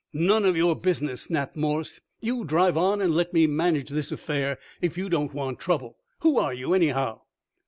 "None of your business!" snapped Morse. "You drive on and let me manage this affair if you don't want trouble! Who are you anyhow?"